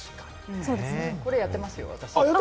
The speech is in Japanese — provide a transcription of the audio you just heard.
これやってますよ、私。